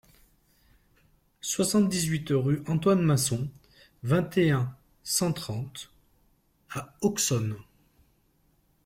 soixante-dix-huit rue Antoine Masson, vingt et un, cent trente à Auxonne